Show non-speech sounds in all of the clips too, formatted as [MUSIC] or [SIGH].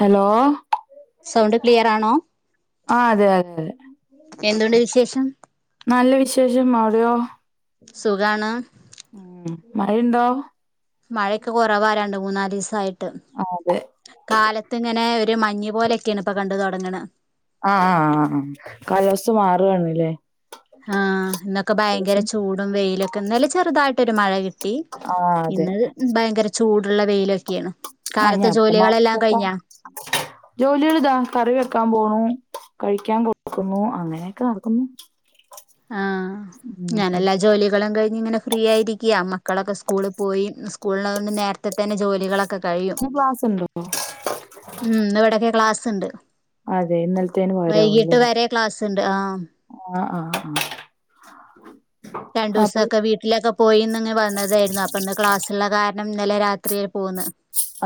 Hello sound clear ആണോ ആ അതെ അതെ അതെ എന്തുണ്ട് വിശേഷം നല്ല വിശേഷം അവിടെയോ? സുഖാണ് ഉം മഴയുണ്ടോ മഴൊക്കെ കുറവാരണ്ട് മൂന്നാല് ദിവസായിട്ട് ആ അതെ കാലത്ത് ഇങ്ങനെ ഒ ഒരു മഞ്ഞു പോലെക്കെണ് ഇപ്പൊ കണ്ട്‌ തൊടങ്ങ്ണ ആ ആ കാലാവസ്ഥ മാറ്ണല്ലേ ആഹ് ഇന്നൊക്കെ ഭയങ്കര ചൂടും വെയിലൊക്കെ ഇന്നലെ ചെറുതായിട്ടൊരു മഴ കി ട്ടി ആ അതെ ഇന്ന് ഭയങ്കര ചൂടുള്ള വെയിലൊക്കെയാണ്. ആഹ് ഞാ കാലത്തെ അപ്പ ജോലികളെല്ലാം മാസക്ക കഴിഞ്ഞാ ജോലികളിതാ കറി വെക്കാൻ പോണു. കഴിക്കാൻ കൊടുക്കുന്നു അങ്ങനെയൊക്കെ നടക്കുന്നു. ആഹ് ഞാന എല്ലാ ജോലികളും കഴിഞ്ഞ് ഇങ്ങനെ ഫ്രീ ആയിരിക്ക അമ്മ ക്കളൊക്കെ സ്കൂളി പോയി സ്കൂൾളൊണ്ട് നേരത്തെ തന്നെ ജോലികളൊ ക്കെ കഴിയും ഇന്ന് ക്ലാസ് ഉണ്ടോ ഉം ഇന്ന്‌വിടെക്കെ ക്ലാസ്ണ്ട്. അതെ ഇന്നലത്തേന് പകരാവും വൈകിട്ട് അല്ലേ വരെ ക്ലാസ്സ്ണ്ട് ആഹ് ആ ആ ആ രണ്ടു അപ്പൊ ദിവസംക്കെ വീട്ടിലൊക്കെ പോയിന്ന് ഇങ്ങെ വന്നതായിരുന്നു അപ്പൊന്ന് ക്ലാസ്സ ഉള്ള കാരണം ഇന്നലെ രാത് ത്രിയേ പോന്ന്.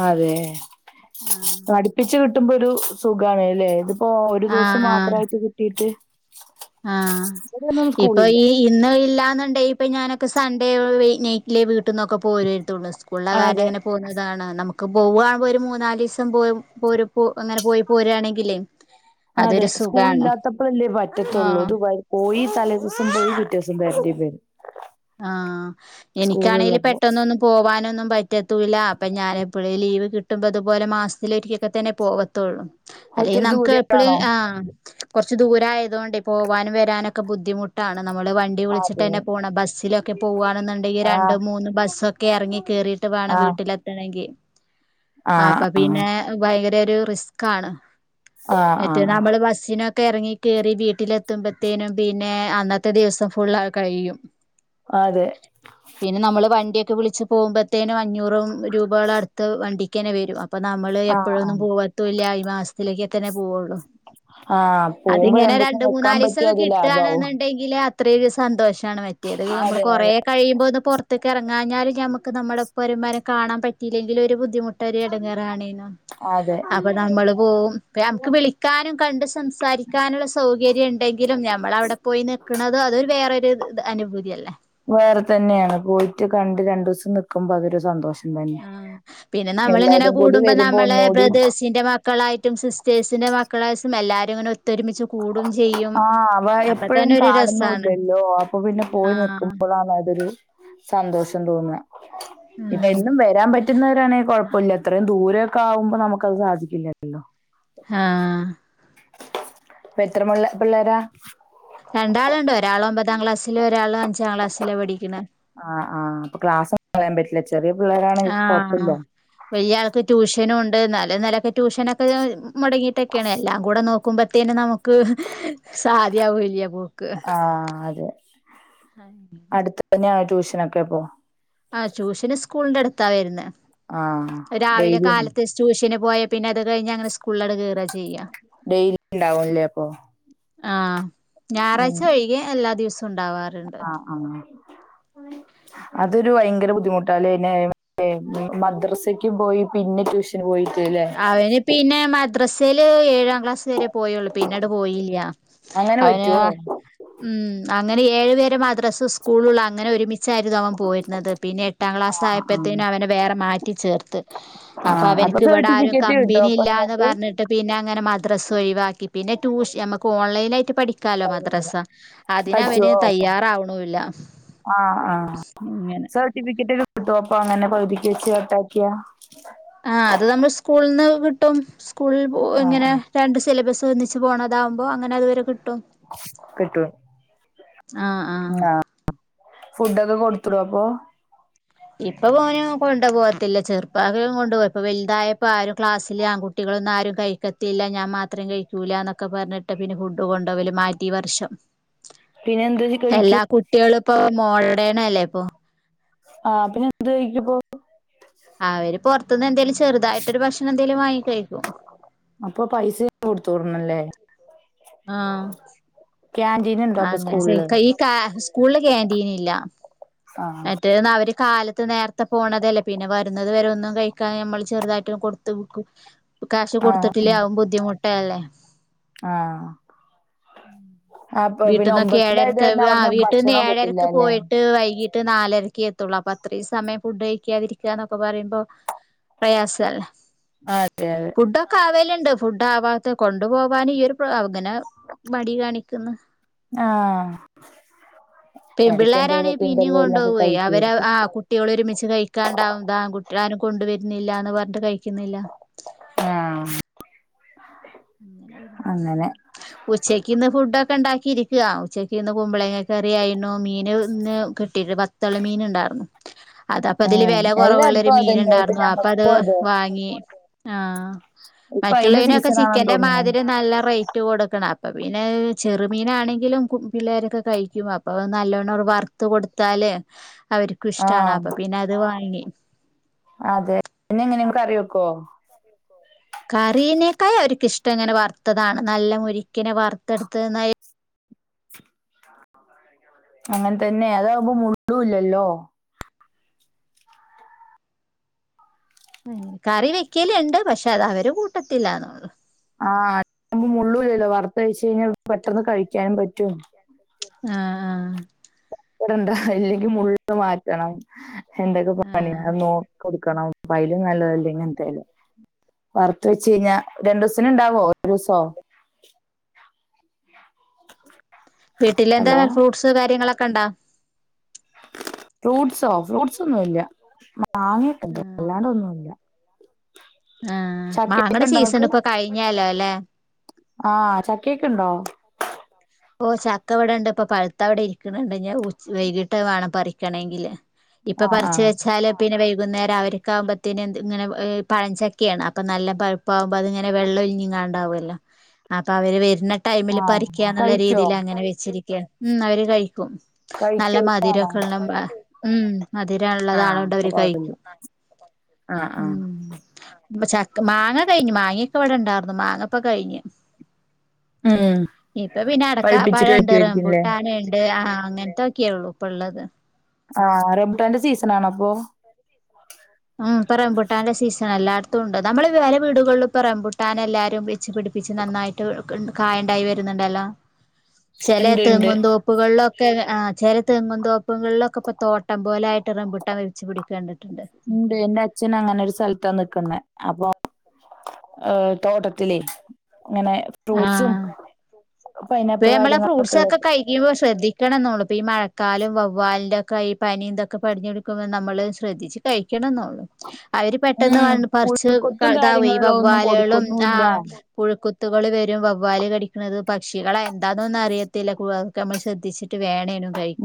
അതെ ആഹ് പഠപ്പിച്ച് കിട്ടുമ്പോ ഒരു സുഖാണ്ല്ലെ ഇത്. ഓഹ് ഒരു ദിവസം ആഹ് മാത്രമായിട്ട് കിട്ടീട്ട് ആഹ് ഇപ്പൊ സ്കൂളില്ല ഈ ഇന്ന് ഇല്ലാന്ന് ണ്ടേ ഇപ്പ ഞാനൊക്കെ സൺഡേ നൈറ്റിലെ വീട്ട് ന്നൊക്കെ പോരുയിരു തുള്ളൂ സ്കൂളിലെ കാരണം അതെ എങ്ങനെ പോകുന്നതാണ് നമുക്ക് പോഉവാണ്പോ ഒരു മൂന്നാലീസം പോര് പോ പോയി പോരുകയാണെങ്കിലേ അതെ അതൊരു സ്കൂൾ സുഖാണ് ഇല്ലാത്തപ്പോൾല്ലേ പറ്റ തൊള്ളൂ ആഹ് അതു പോയി തലേദിവസം പോയി പിറ്റേ ദിവസം വരണ്ടിം വരും. ആഹ് എനിക്കാണെങ്കില് സ്കൂളുള്ളപ്പോ പെട്ടന്നൊന്നും പോവാനൊന്നും. പറ്റത്തൂല്ല അപ്പൊ ഞാൻ എപ്പയേ ലീവ് കിട്ടുമ്പോ അതുപോലെ മാസത്തില ഒരിക്കൊക്കെ തന്നെ പോവത്തുള്ളൂ. അല്ലെയ് ഒത്തിരി നമുക്ക് എപ്പഴും ദൂരെയാണോ? ആഹ് കൊ ച്ച് ദൂരായതോണ്ട് പോകാനും വരാനൊക്കെ ബുദ്ധിമുട്ടാണ് നമ്മൾ വണ്ടി വിളിച്ചിട്ട് അതെ തന്നെ പോണ ബസ്സ് ഇതിലൊക്കെ പോവാണ്ന്ന്ണ്ടെങ്കിൽ ആഹ് രണ്ടും മൂന്നും ബസ്സൊക്കെ എറങ്ങി കേറിട്ട് വേണം ആഹ് വീട്ടിലെത്തണങ്കിൽ - - ആഹ് അപ്പപിന്നെ ഭയങ്കര ഒരു റിസ്ക്കാണ്. ആഹ് മറ്റേ ആഹ് നമ്മള് ബസ്സിനൊക ഒക്കെ എറങ്ങി കേറി വീട്ടിലെത്തുമ്പത്തേനും പിന്നെ അന്നത്തെ ദിവസം ഫുള്ള് കഴിയും. ആഹ് അതെ പിന്നെ നമ്മള് വണ്ടിയൊക്കെ വിളിച്ച് പോകുമ്പത്തേനും അഞ്ഞൂറു രൂപകള് അടുത്ത് വണ്ടിക്കെന്നെ വെരും. അപ്പം നമ്മള് ആഹ് എപ്പളൊന്നും ആഹ് പോവത്തൂല്ല ഈ മാസ അതിലേക്ക് എത്തന്നെ പോവൊള്ളൂ. ആഹ് പോകുമ്പോ അതിങ്ങനെ രണ്ടൂസം രണ്ട് നിക്കാൻ മൂന്നാലീസം പറ്റിയ അത് ഒക്കെ ലാഭാവും. കിട്ടാണ്ന്ന്ണ്ടെങ്കില് അത്രീ ഒര് സന്തോഷാണ്. മറ്റേത് നമ്മൾ അതെ കൊറേ അതെ കഴിയുമ്പോ ഒന്ന് പൊറ്ത്ത്ക്ക് എറങ്ങാഞ്ഞാല് നമുക്ക് നമ്മുടെ ഒപ്പൊരു മരം കാണാൻ പറ്റിയിലെങ്കിലു ഒരു ബുദ്ധിമുട്ട ഒരു എടങ്ങേറാണേന. അതെ അപ്പൊ നമ്മള് പോവും. ഇപ നമക്ക് വിളിക്കാനും കണ്ട് സംസാരിക്കാനുള്ള സൗകര്യം ഇണ്ടെങ്കിലും. ഞമ്മൾ അവിടെ പോയി നിക്കുന്നത് അതൊരു വേറൊരു അനുഭൂതിയല്ലേ? വേറെ തന്നേണ്. പോയിട്ട് കണ്ട് രണ്ടു സം നിക്കുമ്പോ അതൊരു സന്തോഷം. തന്നെ. ആഹ് പിന്നെ നമ്മളിങ്ങനെ എല്ലാരും കൂടി കൂടുമ്പ വരുമ്പോ നമ്മളെ ഒന്നുകൂടി ബ്രദേേഴ്സിന്റെ മാക്കളായിട്ടും സിസ്റ്റേഴ്സിന്റെ മക്കളേയ്സ് എല്ലാരും ഇങ്ങനെ ഒത്തൊരുമിച്ച് കൂടും ചെയ്യും. ആഹ് അവ അപ്പൊ എപ്പഴും തന്നെ ഒരു രസാണ് കാണുന്നുല്ലല്ലോ അപ്പൊ പിന്നെ പോയി ആഹ് നിൽക്കുമ്പളാണ് അതൊരു സന്തോഷം തോന്ന. ഇപ്പൊ ഉം എന്നും വരാൻ പറ്റുന്നവരാണെ കൊഴപ്പ - - ഉല്ല അത്രയും ദൂരൊക്കെ ആവുമ്പ നമുക്കത് സാധിക്കില്ലല്ലോ? ആഹ് ഇപ്പ എത്ര മുള്ള പിള്ളാരാ? പത്താം ക്ലാസ്സില് ഒരാള് അഞ്ചാം ക്ലാസ്സില പഠിക്ക്ണെ അഹ് ആഹ് അപ്പ ക്ലസ് [INAUDIBLE] കളയാൻ പറ്റില്ല ചെറിയ പിള്ളേരാണെങ്കി ആഹ് കൊഴപ്പല്ല. വല്യാൾക്ക് ട്യൂഷൻ ട്ട്യനുണ്ട് ഇന്നാലു ഇന്നാലൊക്കെ ട്യൂഷനൊക്കെ മൊടങ്ങിട്ടൊക്കേണ്. എല്ലാം കൂടെ നോക്ക ക്കുമ്പത്തേെന് നമുക്ക് സാധ്യവുല്യ ആഹ് അതെ അടുത്ത് തന്നെയാണോ ട്യൂഷനൊക്കെപ്പോ ആഹ് ട്യൂഷന് സ്കൂളിന്റെ അടുത്ത വുരുന്നെ ആ രാവിലെ ഡെയിലി കാലത്ത് ടൂഷ ന് പോയാ പിന്നെ അത് കഴിഞ്ഞ് അങ്ങനെ സ്കൂളിലോട്ട് കേറ ചെയ്യ ഡെയിലി ഇണ്ടാവുംല്ലേ അപ്പൊ? ആഹ ഞായറാഴ്ച ഒഴികെ എല്ലാ ദിവസവും ഉണ്ടാവാറുണ്ട് ആഹ ആഹ അതൊരു ഭയങ്കര ബുദ്ധിമുട്ട അല്ലേന്നെ മദ്രസക്ക് പോയി പിന്നെ ട്യൂഷന് പോയി അവന് പിന്നെ മദ്രസൽ ഏഴാം വരെ പോയുള്ളൂ പിന്നങ്ങട് പോയില്യ അങ്ങനെ അവന് പറ്റുമോ ഉം അങ്ങനെ ഏഴ് വരെ മാദ്രാസ് സ്കൂളുളളൂ അങ്ങനെ ഒരു അവൻ പോയിരുന്നത് പിന്നെ എട്ടാം ആ ക്ലാസ് ആ ആയപ്പോഴ്‌ത്തേനും അവെനെ വേറെ മാറ്റി ചേർത്ത് ആ അപ്പൊ അവൻ ഇവിടെ ആരും സർട്ടിഫിക്കറ്റ് കിട്ടും കമ്പനി അപ്പൊ ഇല്ലന്ന് നിങ്ങൾക്ക് പറഞ്ഞിട്ട് പിന്നെ അങ്ങനെ മദ്രസ്സ് ഒഴിവാക്കി പിന്നെ ട്യൂഷ നമുക്ക് ഓൺലൈനായിട്ട് പഠിക്കാലോ മാത്രസ അതിനവന് തയ്യാറാവണില്ല ആഹ് ആഹ സർട്ടിഫിക്കറ്റ് [UNINTELLIGIBLE] അപ്പൊ അങ്ങനെ പകുതിക്ക് വെച്ച് കട്ടാക്കിയാ ആ അത് നമ്മൾ സ്കൂളിൽന്ന് കിട്ടും സ്കൂള ആ ഇങ്ങനെ ആ രണ്ട് സിലബസ് തോന്നിച്ച് പോണതകുമ്പോൾ അങ്ങെ അതുവരെ കി പട്ടു ആ ആ ആഹ ഫുഡൊക്കെ കൊടുത്ത് വിടുവോ അപ്പൊ ഇപ്പൊ മോനും കൊണ്ട് പോകത്തില്ല ചെറുപ്പം കൊണ്ടുപോയി ഇപ്പവലുതായപ്പോ ആരും ക്ലാസ്സില് ആൺകുട്ടികൾ ട്ന്നാരും കഴിക്കത്തില്ല ഞാൻ മാത്രേ കഴിക്കൂലാന്നൊക്കെ പറഞ്ഞിട്ട് പിന്നെ ഫുഡ് കൊണ്ടോല മാറ്റി ഈവർഷം പിന്നെ എന്ത് കഴിക്കും എല്ലാ കുട്ടികളും ഇപ്പോ മോഡേണല്ലേ ഇപ്പൊ ആഹ പിന്നെ എന്ത് കഴക്ക്പ്പോ അവര് പുറത്തുന്ന് എന്തേലും ചെറുതായിട്ടൊരു ഭക്ഷണം എന്തേലും വാങ്ങി കഴിക്കും കൊടുത്തുടർണല്ലേ ആഹ ക്യാൻറ്റീൻ ഉണ്ടോ ആ അപ്പൊ അങ്ങനെ [UNINTELLIGIBLE] സ്കൂളില് ഈ സ്കൂളില് ക്യാൻറ്റീൻഇല്ല ആ മറ്റേ അവര് കാലത്ത് നേരത്തെ പോണതല്ലേ പിന്നെ വരുന്നത് വരെ ഒന്നും കഴിക്കാ നമ്മൾ ചെറുതായിട്ടും കൊടുത്ത വിക്കും കാശ് ആ കൊടുത്തിട്ടില്ലേ ആതും ബുദ്ധിമുട്ടല്ലേ ആഹ അ വീട്ടിൽന്നൊക്കെ ഏഴരക്ക് ആ വീട്ടിൽന്ന് കിട്ടില്ല ഏഴരക്ക് അല്ലേ പോയിട്ട് വൈകീട്ട് നാല് രക്കി എത്തുള്ളൂ അപ്പൊ അത്രയും സമയം ഫുഡ് കഴിക്കാതിരിക്കുകന്നൊക്കെ പറയുമ്പോ പ്രയാസമല്ല അതെ അതെ ഫുഡൊക്കെ ആവല്ല ണ്ട് ഫുഡ് ആവാത്ത കൊണ്ടു പോകൻ ഈ ഒരു അങ്ങനെ മടി കാണിക്കുന്നു ആഹ പെൺപിള്ളോരണെ പിന്നെയും കൊണ്ടുപോവേ അവര് കഴിക്കുമായിരിക്കും ആ കുട്ടികള ഒരുമിച്ച് കഴിക്കാണ്ടാവ അൺകുട്ടികളാരും കൊണ്ടുവരുന്നില്ല എന്ന് പറഞ്ഞിട്ട് കഴിക്കുന്നില്ല ആഹ് അങ്ങനെയരുന്നു അങ്ങനെ ഉച്ചക്ക് ഇന്ന് ഫുഡ ഒക്കെ ഉണ്ടാക്കി ഇരിക്കുക ഉച്ചക്ക്ന്ന് കുമ്പളേങ്ങ കറിയായിരുന്നു മീന് കിട്ടിയിട്ട് പത്തള് മീന ഉണ്ടായിരുന്നു അത അപ്പൊ അതില് ഉം വില കുറവുള്ളൊരു എല്ലായിടത്തും മീന അതന്നെ ഇപ്പൊ ഉണ്ടായിരുന്നു അപ്പ അത് ഞങ്ങൾക്കും അതെ വാങ്ങി ആഹ ഇപ്പൊ അയിന്റെ മറ്റുള്ളതിനനൊക്കെ സീസൺ ആണെന്ന് ചിക്കന്റെ തോന്നുന്നു മാതിരി നല്ല റേറ്റ് കൊടുക്കണം അപ്പ പിന്നെ ചെറുമീനാണെങ്കിലും പിള്ളേരൊക്കെ കഴിക്കും അപ്പൊ നല്ലവണ്ണം വറത്ത് കൊടുത്ത ത്താല് അവർക്കും ഇഷ്ടമാണ് ആഹ് അപ്പൊ പിന്നെ അത് വാങ്ങി അതെ പിന്നെ എങ്ങനെയങ്ങക്ക് അറി വെക്കോ കറീനേക്കാ ഒരിക്കിഷ്ടം ഇങ്ങനെ വറുത്തതാണ് നല്ല മുരിക്കിനെ വറുത്തെടുത്ത അങ്ങനെ തന്നെ അതകുമ്പോ മുഴുവല്ലല്ലോ അ കറി വെക്കലുണ്ട് പക്ഷെ അത് അവര് കൂട്ടത്തില്ലാന്നള്ളു ആഹ് അുമ്പ മുള്ളൂല്ലല്ലോ വറുത്ത കഴച്ച് കഴിഞ്ഞാൽ പെട്ടെന്ന് കഴിക്കാനും പറ്റും ആഹ ആഹ് ഇണ്ട ഇല്ലെങ്കിൽ മള്ള് മാറ്റണം എന്തൊക്കെ ആഹ് പണിയ ആഹ് നോക്കി കൊടുക്കണം പയലും നല്ലതല്ലേ ഇങ്ങന എന്തല്ല വറത്ത വെച്ച കഴിഞ്ഞാ രണ്ടു ദിവസന ഇണ്ടാവോ ഒരു ദിവസോ വീട്ടിലെന്താ ഹലോ ഫ്രൂട്ട്സ് കാര്യങ്ങളൊക്കെ ഉണ്ടാ ഫ്രൂട്ട്സോ ഫ്രൂട്ട്സൊന്നുമല്ല വാങ്ങിയിട്ടുണ്ട് അല്ലാണ്ട്ൊന്നുമല്ല ആഹ് മാങ്ങെടെ സീസണ് ഇപ്പൊ കഴിഞ്ഞാലോ അല്ലെ ആഹ് ചക്ക്യക്കെ ഇണ്ടോ ഓ ചക്ക ഇവിടെണ്ട് ഇപ്പൊ പഴുത്ത ഇവടെ ഇരിക്ക്ണ് ഇണ്ട്. ഞ ഹ് വൈകിട്ട് വാണം പറിക്കണെങ്കില് ഇപ്പൊ ആ ആ പറിച്ച് വെച്ചാല് പിന്നെ വെന്നേരം അവർക്കാവുമ്പത്തേനു ഇങ്ങനെ പഴഞ്ചക്കേണ് അപ്പ നല്ല പഴുപ്പാവകുമ്പോ അത് ഇങ്ങനെ വെള്ളൊഴിഞ്ഞ്ങ്ങ ഇണ്ടാവല്ലോ അപ്പൊ അവര് വര്നെ ടൈമിൽ ആ പറിക്ക ഇന്ന്ള്ള കഴിക്കോ രീതിയില് അങ്ങനെ വെച്ചിരിക്ക്യാണ്. ഉം അവര് കഴിക് ക്കും നല്ല കഴിക്കോ ഇഷ്ടാണോ മതിരൊക്കെള്ള [UNINTELLIGIBLE] ഉം മധുരം ആ ഉള്ളതാളുക കൊണ്ട് അപ്പൊ അവര് കുഴപ്പമില്ല കഴിക്കും ആ ആ ഉം ചക്ക് മാങ്ങ കഴിഞ്ഞു മാങ്ങ ക്ക ഇവടെ ഇണ്ടായിറ്ന്ന് മാങ്ങപ്പ കഴിഞ് ഉം ഇപ്പ പിന്നെ അടക്ക പഴുപ്പിച്ചിട്ട് പഴണ്ട് കഴിക്കുമായിരിക്കും അല്ലേ റബുട്ടാന്ണ്ട് ആഹ് ആങ്ങൻത്തൊക്ക്യ ഒള്ളു ഇപ്പ ഇള്ളത്. ആഹ് റെമ്പുട്ടാന്റെ സീസൺ ആണൊ ഇപ്പൊ ഉം ഇപ്പം റംപുട്ടാന്റെ സീസൺ. എല്ലായിടത്തും ഇണ്ട് നമ്മള് വെല വീടുകള്ലും, ഇപ്പം റംപുട്ടാൻ എല്ലാരും വച്ച് പിടിപ്പിച്ച് നന്നായിട്ട് കായണ്ടായി വരുന്ന് ഇണ്ടല്ലോ ചെലേ ഉണ്ട് ഉണ്ട് തെങ്ങുന്തോപ്പുകളിലൊക്കെ ആഹ് ചില തെങ്ങുന്തോപ്പുകളിലൊക്കെ ഇപ്പ തോട്ട പട്ടം പോല ആയിട്ട് റംപുട്ടം വരിച്ച് പിടിക്കേണ്ടിട്ടുണ്ട് അച്ഛന് അങ്ങനെ ഒരു സ്ഥലത്താ നിക്കുന്നെ അപ്പൊ ഏഹ് തോട്ടത്തിലേ ഇങ്ങനെ ഫ്രൂട്ട്സും ആഹ് ഇപ്പ പൈനാപ്പിൾ നമ്മളെ ഫ്രൂട്ട്സ് കാര്യങ്ങളൊക്കെ ഒക്കെ ഉള്ളത് കഴിക്കുമ്പോ ശ്രദ്ധിക്കണം എന്നോള്ളൂ ഇപ്പ ഈ മഴ ക്കാലും വവ്വാലിന്റെ ഒക്കെ ഈ പനി ഇന്തൊക്കെ പടിഞ്ഞഞ്ടുക്കുമ്പോൾ നമ്മള് ശ്രദ്ധിച്ചു കഴിക്കണന്നൊള്ളു അവര് പെട്ടെന്ന് ഉം വന്ന് പറ്ച്ച് ക കൊത്തും ഇതാവെ ഈ കാര്യങ്ങളിലോ ഒന്നും വവ്വാലളും കൊടുക്കൊന്നുമില്ല ആഹ് പുഴുക്കു ത്തുകള് വരും വവ്വാല് കടിക്ക്ണത് പക്ഷികളെ എന്താന്നൊന്നും അറിയത്തില്ല കുവ നമ്മള് ശ്രദ്ധിച്ച്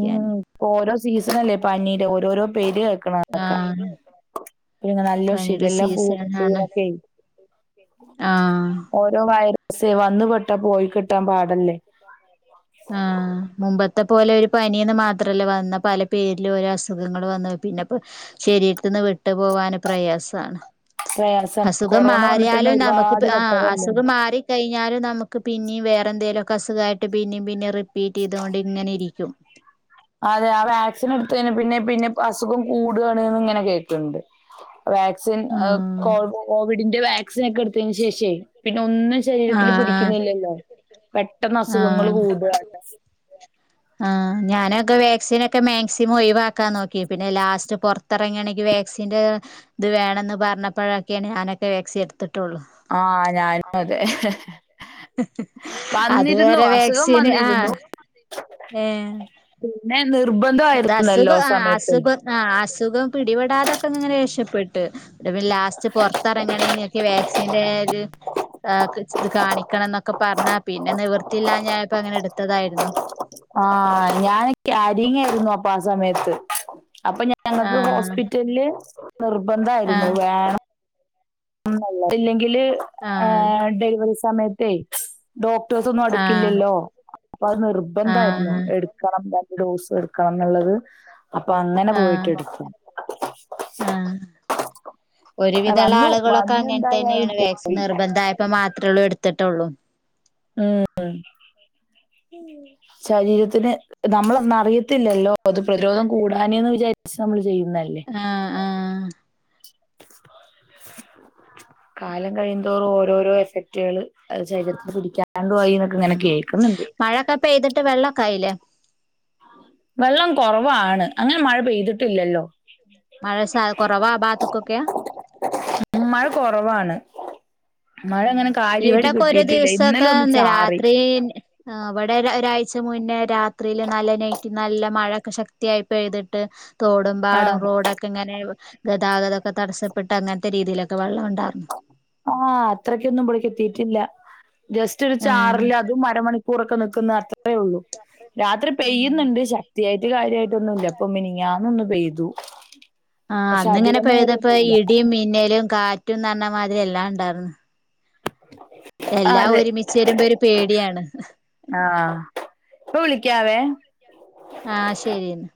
ഉം ഓരോ സീസണല്ലേ പനീടെ ഓരോരോ പേര് കേ ആഹ് [UNINTELLIGIBLE] നല്ലോം ഷിഗല്ല കൂട്ണ്ട്ന്നൊക്കെ ആ ഓരോ വയറ സ്സ് വന്ന് പെട്ടാ പോയി കിട്ടാൻ പാടല്ലേ ആഹ് മുമ്പ ത്തെ പോലെ ഒരു പനീന്ന് മാത്രല്ല വന്നാ പല പേരിലും ഓരോ അസുഖങ്ങള് വന്നാ പിന്നെപ്പൊ ശരീര്ത്ത് ന്ന് വിട്ട് പോവാന് പ്രയാസാണ് പ്രയാസാണ് അസുഖം കൊറോണ വന്നിട്ട് തന്നെ മാറിയാലും ഒരുപാട് നമുക്ക്പ്പെ ആഹ് പെട്ടതല്ലേ അസുഖം മാറി കഴി ഞ്ഞാലും നമുക്ക് പിന്നീം വേറെ എന്തേലൊക്കെ അസുഖായിട്ട് പിന്നിം പിന്നിം റി അതെ ആഹ് വാക്സിൻ എടുത്തേന് പിന്നേം പിന്നെപ്പാ അസുഖും കൂടാണ്ന്ന്ങ്ങനെ കേക്ക്ണ്ട് വാക്സിൻ ഏഹ് കോ ആഹ് കോവിഡിന്റെ വാക്സിനെക്കെ ഇട്ത്തേന് ശേഷേ പി ന്നെ ഒന്നും ശരീരത്തില് ആഹ് പിടിക്കുന്നില്ലല്ലോ പെട്ടെന്ന് അസുഖങ്ങള് ആഹ് കൂടാ ആഹ് ഞാനൊക്കെ വാക്സിനൊക്കെ മാക്സിമം ഒഴിവാക്കാൻ നോക്കി പിന്നെ ലാസ്റ്റ് പൊറ്ത്തറങ്ങണെങ്കി വാ ക്സിന്റെ ഇത് വേണംന്ന് പറ്ഞ്ഞപ്പഴൊക്കേണ് ഞാനൊ ക്കെ വാക്സി എട്ത്ത്ട്ടോള്ളു ആ ഞാനും അതെ അത് വന്നിരുന്നു വേരെ അസുഖം വാക്സിന് വന്നിരുന്നു ആഹ് ഏഹ് പിന്നെ ഇത് നിർബന്ധമായിരുന്നല്ലോ അസുഖം ആ ആഹ് സമയത്ത് അസുഖം ആഹ് അസുഖം പിടിപെടാതൊക്കങ്ങനെ രക്ഷപ്പെട്ട് ന്ന്ട്ട് പിന് ലാസ്റ്റ് പൊറ്ത്തറങ്ങണേ ഇങ്ങക്ക് വാക്സിന്റേര് ആഹ് [UNINTELLIGIBLE] ഇത് കാണിക്കണന്നൊക്ക പറ്ഞ്ഞാ പിന്നെ നിവർത്തിയില്ലാഞ്ഞാ ഇപ്പങ്ങനെ ഇട്ത്തതായിരുന്നു ആഹ് ഞാന് ഗ്യാരിങ്ങായിരുന്നു അപ്പൊ ആ സമയത്ത് അപ്പ ഞങ്ങക്ക് ആഹ് ഹോസ്പിറ്റലില് നിർബന്ധായിരുന്നു ആഹ് വേണം ഇല്ലെങ്കില് ആഹ് ഡെലിവറി സമയത്തേ ഡോക് [INAUDIBLE] ആഹ് അടുക്കില്ലല്ലോ. അപ്പ അത് ആഹ് നിർബന്ധായ്രുന്നു. ആഹ് എടുക്കണം ന്ന്. ഡോസ് എട്ക്കണം ന്നുള്ളത്. അപ്പൊ അങ്ങനെ ആഹ് പോയിട്ടെട്ത്താ. ആഹ് ഒരുവിധള്ള ആളുകളൊക്കെങ്ങന് തന്നെയാണ് വാക്സിൻ നിർബന്ധയപ്പോ മാത്രള്ളൂ എടുത്തിട്ടുള്ളൂ. മ്. ശരീരത്തിന് നമ്മളന്ന് അറിയത്തില്ലല്ലോ അത് പ്രതിരോധം കൂടാനന്ന് വിചാരിച്ച് നമ്മൾ ചെയ്യും. ആ ആ. കാലം കഴിയുന്തോറും ഓരോരോ എഫക്റ്റുകൾ അത്‌ ശരീരത്തിൽ പിടിക്കാ ആ മഴക്കെ പെയ്തിട്ട് വെള്ളോക്കായില്ലേ? വെള്ളം കുറവാണ് അങ്ങനെ മഴ പെയ്തിട്ടില്ലല്ലോ. മഴ സ കുറവാ ആ ബാത്ത്ക്കൊക്കെ? കൊറവാണ്. ആ ഇവിടൊക്കെ ഒരു ഇന്നലെ ദിവസൊക്കെ ഒന്ന് ചാറി രാത്രി ഇവിടെ ഒരഒരാഴ് ച്ചമുന്നേ രാത്രിയില് നല്ല നെയറ്റ് നല്ല മഴൊക്കെ ശക്തിയായി പെയ്തിട്ട് തോടും പാടം ആഹ് റോഡൊക്കെങ്ങനെ ഗതാഗതക്കെ തടസ്സപ്പെട്ടങ്ങനത്തെ രീതിയിലൊക്കെ വെള്ളം ണ്ട്. ആ അത്രക്കൊന്നുവിടക്ക് എത്തിട്ടില്ല. ജസ്റ്റ് ഒരു ആഹ് ചാറല് അതും അരമണിക്കൂറൊക്കെ നിക്കുന്ന ത്രേള്ളൂ രാത്രി ഉം പെയ്യുന്നുണ്ട് ശക്തിയായിട്ട് കാര്യായിട്ടൊന്നുംല്ല പ്പൊ മിനി ന്ന് പെയ്തു. ആ പക്ഷെ അധിക അന്നിങ്ങനെ നേരം പെയ്തപ്പ ഒന്നും ഇടിം മിന്നലും കാറ്റുന്നർഞ്ഞമാതിരി എല്ലാം ണ്ടായർന്ന്. എല്ലാം അതെ ഒരുമിച്ച് രുമ്പോ ഒരു പേടിയാണ്. ആഹ് ഇപ്പൊ വിളിക്കാവേ. ആഹ് ശരിയെന്ന